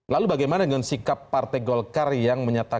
lalu bagaimana dengan sikap partai golkar yang menyatakan